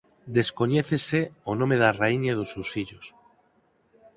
Descoñécese o nome da raíña e o dos seus fillos.